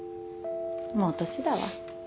もう年だわ。